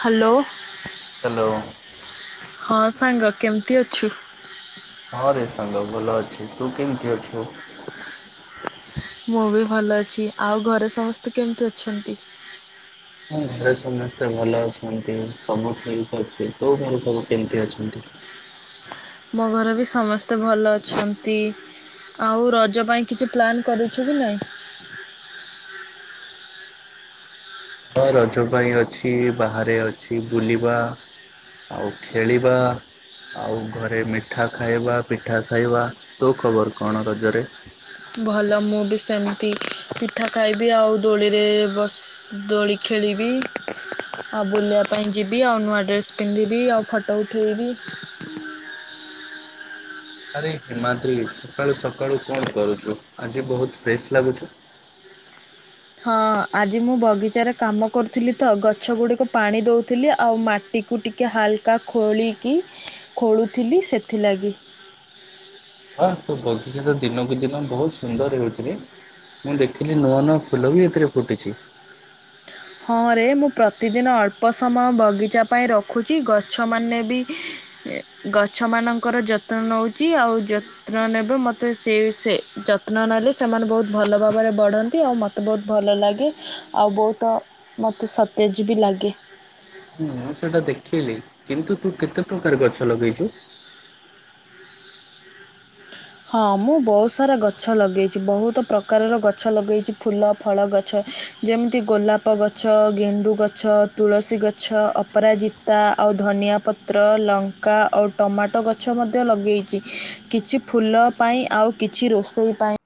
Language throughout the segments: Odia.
ହ୍ୟାଲୋ। ହ୍ୟାଲୋ ହଁ ସାଙ୍ଗ କେମିତି ଅଛୁ? ହଁ ରେ ସାଙ୍ଗ ଭଲ ଅଛି। ତୁ କେମିତି ଅଛୁ? ମୁଁ ବି ଭଲ ଅଛି। ଆଉ ଘରେ ସମସ୍ତେ କେମିତି ଅଛନ୍ତି? ହଁ ଘରେ ସମସ୍ତେ ଭଲ ଅଛନ୍ତି। ସବୁ ଠିକ ଅଛି। ତୋ ଘରେ ସବୁ କେମତି ଅଛନ୍ତି? ମୋ ଘରେ ବି ସମସ୍ତେ ଭଲ ଅଛନ୍ତି। ଆଉ ରଜ ପାଇଁ କିଛି ପ୍ଲାନ୍ କରିଛୁ କି ନାଇଁ? ହଁ ରଜ ପାଇଁ ଅଛି ବାହାରେ ଅଛି ବୁଲିବା ଆଉ ଖେଳିବା ଆଉ ଘରେ ମିଠା ଖାଇବା ପିଠା ଖାଇବା। ତୋ ଖବର କଣ ରଜରେ? ଭଲ ମୁଁ ବି ସେମିତି ପିଠା ଖାଇବି ଆଉ ଦୋଳିରେ ବସ୍ ଦୋଳି ଖେଳିବି। ଆଉ ବୁଲିବା ପାଇଁ ଯିବି, ଆଉ ନୂଆ ଡ୍ରେସ ପିନ୍ଧିବି, ଆଉ ଫଟୋ ଉଠେଇବି। ଆରେ ହିମାଦ୍ରୀ ସକାଳୁ ସକାଳୁ କଣ କରୁଚୁ? ଆଜି ବହୁତ ଫ୍ରେଶ ଲାଗୁଛ। ହଁ ଆଜି ମୁଁ ବଗିଚାରେ କାମ କରୁଥିଲି ତ ଗଛ ଗୁଡ଼ିିକ ପାଣି ଦେଉଥିଲି। ଆଉ ମା ଟିକୁ ଟିକେ ହାଲକା ଖୋଳିକି ଖୋଳୁଥିଲି ସେଥିଲାଗି। ୱାଃ ତୋ ବଗିଚା ତ ଦିନକୁ ଦିନ ବହୁତ ସୁନ୍ଦର ହେଉଚିରେ। ମୁଁ ଦେଖିଲି ନୂଆ ନୂଆ ଫୁଲ ବି ଏଥିରେ ଫୁଟିଛି। ହଁ ରେ ମୁଁ ପ୍ରତିଦିନ ଅଳ୍ପ ସମୟ ବଗିଚା ପାଇଁ ରଖୁଚି। ଗଛମାନେ ବି ଗଛ ମାନଙ୍କର ଯତ୍ନ ନଉଚି। ଆଉ ଯ ଯତ୍ନ ନେବେ ମୋତେ ସେ ସେ ଯତ୍ନ ନେଲେ ସେମାନେ ବହୁତ ଭଲ ଭାବରେ ବଢ଼ନ୍ତି। ଆଉ ମୋତେ ମୋତେ ବହୁତ ଭଲ ଲାଗେ ଆଉ ବହୁତ ମୋତେ ସତେଜ ବି ଲାଗେ। ହୁଁ ମୁଁ ସେଟା ଦେଖିଲିି। କିନ୍ତୁ ତୁ କେତେ ପ୍ରକାର ଗଛ ଲଗେଇଛୁ? ହଁ ମୁଁ ବହୁତ ସାରା ଗଛ ଲଗେଇଚି। ବହୁତ ପ୍ରକାରର ଗଛ ଲଗେଇଚି ଫୁଲ ଫଳ ଗଛ। ଯେମିତି ଗୋଲାପ ଗଛ, ଗେଣ୍ଡୁ ଗଛ, ତୁଳସୀ ଗଛ, ଅପରାଜି ତା, ଆଉ ଧନିଆ ପତ୍ର, ଲଙ୍କା ଆଉ ଟମାଟୋ ଗଛ ମଧ୍ୟ ଲଗେଇଚି। କିଛି ଫୁଲ ପାଇଁ ଆଉ କିଛି ରୋଷେଇ ପାଇଁ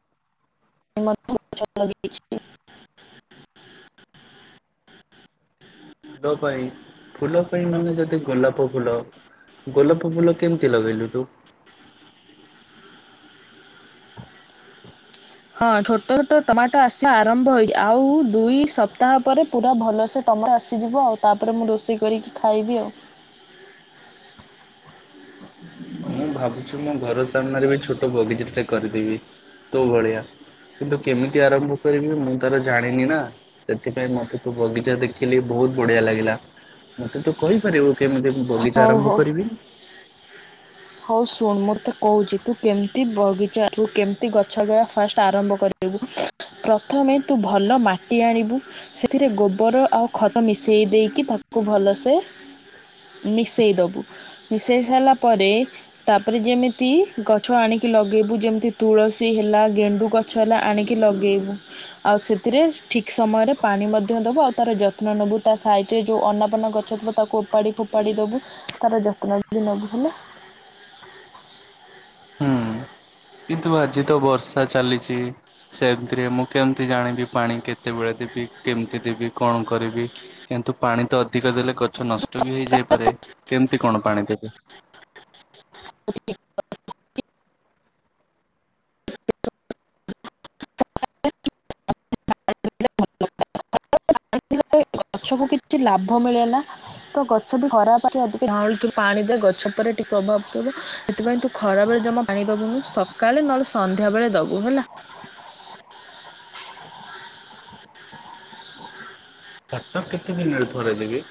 ମଧ୍ୟ୍ୟ ଗଛ ଲଗେଇଚି। ଫୁଲ ପାଇଁ ଫୁଲ ପାଇଁ ମାନେ ଯଦି ଗୋଲାପ ଫୁଲ ଗୋଲାପ ଫ ଫୁଲ କେମିତି ଲଗେଇଲୁ ତୁ? ହଁ ଛୋଟ ଛୋଟ ଟମାଟୋ ଆସିବା ଆରମ୍ଭ ହୋଇ। ଆଉ ଦୁଇ ସପ୍ତାହ ପରେ ପୁରା ଭଲସେ ଟମାଟୋ ଆସିଯିବ ଆଉ ତାପରେ ମୁଁ ରୋଷେଇ କରିକି ଖାଇବି ଆଉ। ମୁଁ ଭାବୁଛି ମୋ ଘର ସାମ୍ନାରେ ବି ଛୋଟ ବଗିଚା ଦିଟା କରିଦେବି ତୋ ଭଳିଆ। କିନ୍ତୁ କେମିତି ଆରମ୍ଭ କରିବି ମୁଁ ତାର ଜାଣିନି ନା। ସେଥିପାଇଁ ମତେ ତୁ ବଗିଚା ଦେଖିଲି ବହୁତ ବଢିଆ ଲାଗିଲା। ମତେ ତୁ କହିପାରିବୁ କେମିତି ବଗିଚା ହଉ ଆରମ୍ଭ ହଉ କରିବି? ହଉ ଶୁଣ ମୁଁ ତତେ କହୁଛି ତୁ କେମିତି ବଗିଚା ତୁ କେମିତି ଗଛ ବା ଫାଷ୍ଟ ଆରମ୍ଭ କରିବୁ। ପ୍ରଥମେ ତୁ ଭଲ ମାଟି ଆଣିବୁ। ସେଥିରେ ଗୋବର ଆଉ ଖତ ମିଶେଇ ଦେଇକି ତାକୁ ଭଲସେ ମିଶେଇଦବୁ। ମିଶେଇ ସାରିଲା ପରେ ତାପରେ ଯେମିତି ଗଛ ଆଣିକି ଲଗେଇବୁ। ଯେମିତି ତୁଳସୀ ହେଲା ଗେଣ୍ଡୁ ଗ ଛ ହେଲା ଆଣିକି ଲଗେଇବୁ। ଆଉ ସେଥିରେ ଠିକ୍ ସମୟରେ ପାଣି ମଧ୍ୟ ଦବୁ ଆଉ ତାର ଯତ୍ନ ନବୁ। ତା ସାଇଟରେ ଯୋଉ ଅନାପନା ଗଛ [unintelligible] ତାକୁ ଓପାଡ଼ି ଫୋପାଡ଼ି ଦବୁ ତାର ଯତ୍ନ ବି ନବୁ ହେଲା। ହୁଁ। [unintelligible] କିନ୍ତୁ ଆଜି ତ ବର୍ଷା ଚାଲିଛି। ସେମ୍ ଥିରେ ମୁଁ କେମ୍ତି ଜାଣିବି ପାଣି କେତେବେଳେ ଦେବି କେମ୍ତି ଦେବି କଣ କରିବି? କିନ୍ତୁ ପାଣି ତ ଅଧିକ ଦେଲେ ଗଛ ନଷ୍ଟ ବି ହେଇଯାଇପାରେ କେମ୍ତି କଣ ପାଣି ଦେବି? [unintelligible] [unintelligible] ଗଛକୁ କିଛି ଲାଭ ମିଳେ ନା? ତ ଗଛ ବି ଖରା ପାଖେ ଅଧିକା ଝାଉଁଳିଛି ପାଣି ଦେ ଗଛ ଉପରେ ଟିକେ ପ୍ରଭାବ ପବ ସେଥିପାଇଁ ତୁ ଖରାବେଳେ ଜମା ପାଣି ଦବୁନୁ। ସକାଳେ ନହେଲେ ସନ୍ଧ୍ୟାବେଳେ ଦବୁ ହେଲା। ତ କେତେ ଦିନରେ ଥରେ ଦେବି?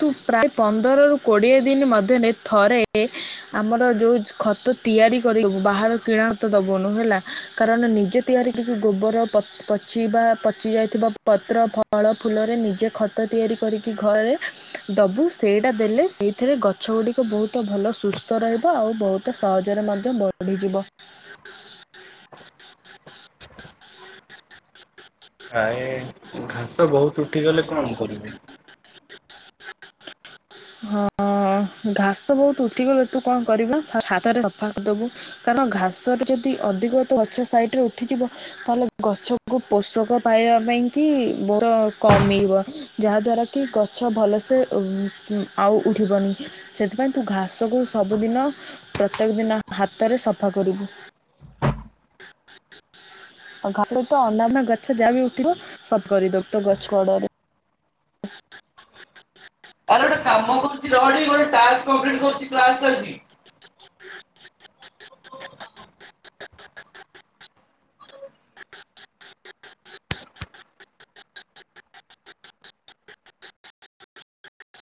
ତୁ ପ୍ରାୟ ପନ୍ଦରରୁ କୋଡ଼ିଏ ଦିନ୍ ମଧ୍ୟରେ ଥରେ ଆମର ଯୋଉ ଖତ ତିଆରି କରିଦବୁ ବାହାର କିଣା ଖତ ଦବୁନୁ ହେଲା। କାରଣ ନିଜେ ତିଆରି କିକି ଗୋବର ପ ପଛିବା ପଚି ଯାଇଥିବା ପତ୍ର ଫଳ ଫୁଲରେ ନିଜେ ଖତ ତିଆରି କରିକି ଘରେ ଦବୁ। ସେଇଟା ଦେଲେ ସେଇଥିରେ ଗଛ ଗୁଡ଼ିକ ବହୁତ ଭଲ ସୁସ୍ଥ ରହିବ ଆଉ ବହୁ ତ ସହଜରେ ମଧ୍ୟ ବଢିଯିବ। [inaudible] ଆଏ ଘାସ ବହୁତୁ ଉଠିଗଲେ କଣ କରିବି? ହଁ ଅ ଘାସ ବହୁତ୍ ଉଠିଗଲେ ତୁ କଣ କରିବା ହା ହାତରେ ସଫା କରିଦବୁ। କାରଣ ଘାସରେ ଯଦି ଅଧିକ ତ ପଛ ସାଇଟ୍ ରେ ଉଠିଯିବ ତାହେଲେ ଗଛକୁ ପୋଷକ ପାଇବା ପାଇଁ କି ବହୁତ କମିଇବ। ଯାହାଦ୍ୱାରା କି ଗଛ ଭଲସେ ଉ ଉ ଆଉ ଉଠିବନି ସେଥିପାଇଁ ତୁ ଘାସକୁ ସବୁଦିନ ପ୍ରତ୍ୟେକ ଦିନ ହାତରେ ସଫା କରିବୁ। [inaudible] ଆଉ ଘାସରେ ତ ଅନ୍ୟାନ୍ୟ ଗଛ ଯାହା ବି ଉଠିବ ସଫ୍ କରିଦବ ତ ଗଛ କଡରେ। [inaudible] କରୁ୍ଛି ରହ ଟିକେ ଗୋଟେ ଟାସ୍କ କପ୍ଲିଟ୍ କରୁଛି କ୍ଲାସ ଚାଲିଛି। [inaudible]